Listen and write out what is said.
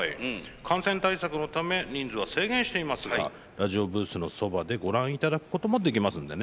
感染対策のため人数は制限していますがラジオブースのそばでご覧いただくこともできますんでね。